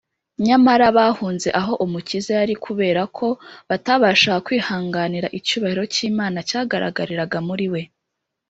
nyamara bahunze aho Umukiza yari ari kubera ko batabashaga kwihanganira icyubahiro cy’Imana cyagaragariraga muri we.